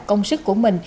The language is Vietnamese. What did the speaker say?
công sức của mình